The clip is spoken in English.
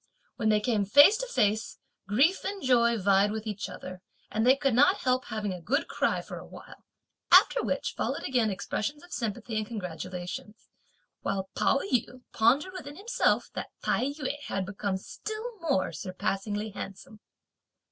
When they came face to face, grief and joy vied with each other; and they could not help having a good cry for a while; after which followed again expressions of sympathy and congratulations; while Pao yü pondered within himself that Tai yü had become still more surpassingly handsome.